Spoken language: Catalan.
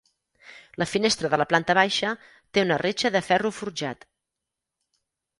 La finestra de la planta baixa té una reixa de ferro forjat.